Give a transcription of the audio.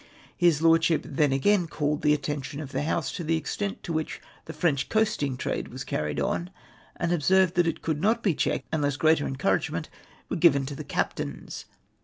His Lordship then again called tlie attention of the House to the extent to which the French coasting trade was carried on, and observed that it could not be checked, unless greater encoiu agement were given to the captains.